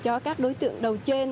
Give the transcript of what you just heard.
cho các đối tượng đầu trên